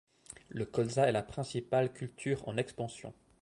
Le colza est la principale culture en expansion.